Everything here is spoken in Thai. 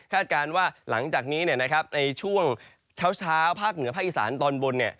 คาดการณ์ว่าหลังจากนี้นะครับในช่วงเคลาส์เท้าภาคเหนือภาคอีสานตอนบน